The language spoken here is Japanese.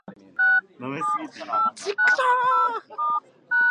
何もかも新しい瞬間